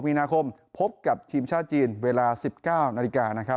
๒๖มีนาคมพบกับทีมชาติจีนเวลา๑๙นาทีกา